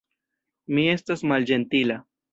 Mi estas malĝentila.